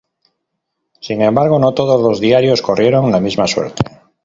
Sin embargo, no todos los diarios corrieron la misma suerte.